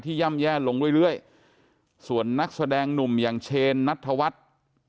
ย่ำแย่ลงเรื่อยส่วนนักแสดงหนุ่มอย่างเชนนัทธวัฒน์